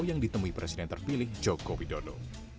yang ditemui presiden terpilih jokowi dodo